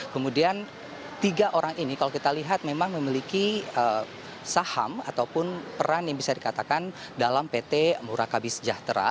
kemudian tiga orang ini kalau kita lihat memang memiliki saham ataupun peran yang bisa dikatakan dalam pt murakabi sejahtera